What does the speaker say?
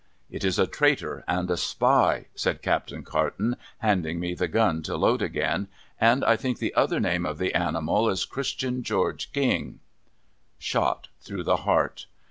' It is a Traitor and a Spy,' said Captain Carton, handing me the gun to load again. ' And I think the other name of the animal is Christian George King I ' Shot through the heart.